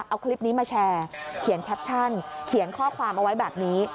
เอาคลิปนี้มาแชร์เขียนแคปชั่นเขียนข้อความเอาไว้แบบนี้